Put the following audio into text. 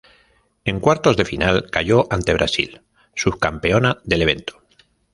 En cuartos de final cayó ante Brasil, subcampeona del evento.